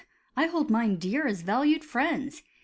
I hold mine dear As valued friends.